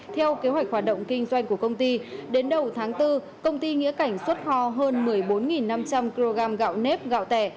theo kế hoạch hoạt động kinh doanh của công ty đến đầu tháng bốn công ty nghĩa cảnh xuất kho hơn một mươi bốn năm trăm linh kg gạo nếp gạo tẻ